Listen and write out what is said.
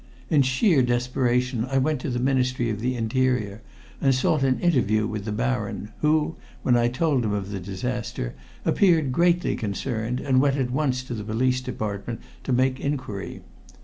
"In sheer desperation I went to the Ministry of the Interior and sought an interview with the Baron, who, when I told him of the disaster, appeared greatly concerned, and went at once to the Police Department to make inquiry.